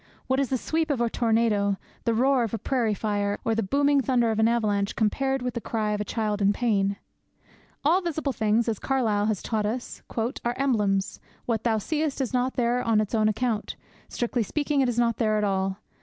What is the sweep of a tornado, the roar of a prairie fire, or the booming thunder of an avalanche, compared with the cry of a child in pain?' All visible things,' as Carlyle has taught us, 'are emblems. What thou seest is not there on its own account; strictly speaking is not there at all.